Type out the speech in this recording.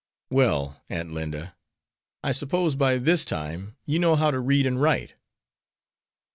"Well, Aunt Linda, I suppose by this time you know how to read and write?"